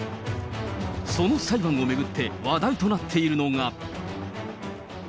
その裁判を巡って話題となっているのが。